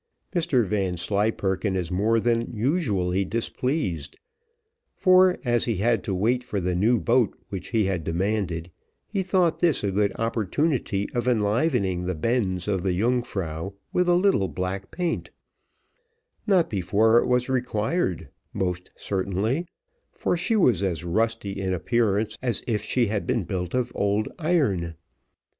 Mr Vanslyperken is more than usually displeased, for, as he had to wait for the new boat which he had demanded, he thought this a good opportunity of enlivening the bends of the Yungfrau with a little black paint not before it was required, most certainly, for she was as rusty in appearance as if she had been built of old iron.